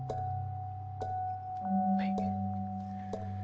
はい。